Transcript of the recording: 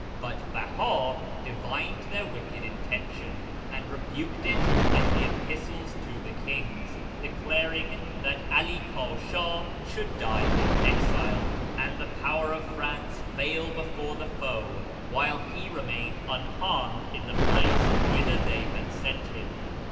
But Beha divined their wicked intention, and rebuked it in the "Epistles to the Kings," declaring that ""Ali Pasha should die in exile, and the power of France fail before the foe, while he remained unharmed in the place whither they had sent him.